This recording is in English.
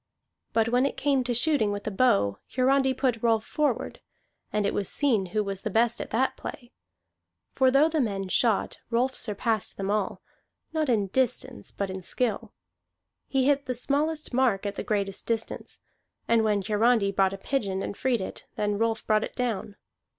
But when it came to shooting with the bow, Hiarandi put Rolf forward, and it was seen who was the best at that play. For though the men shot, Rolf surpassed them all, not in distance but in skill. He hit the smallest mark at the greatest distance; and when Hiarandi brought a pigeon and freed it, then Rolf brought it down.